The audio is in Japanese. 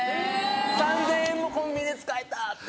３０００円もコンビニで使えた！って。